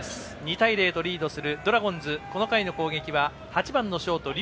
２対０とリードするドラゴンズこの回の攻撃は、８番のショート龍